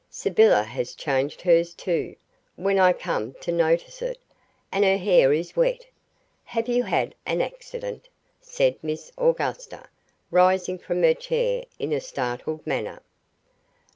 Sybylla has changed hers too, when I come to notice it, and her hair is wet. Have you had an accident?" said Miss Augusta, rising from her chair in a startled manner.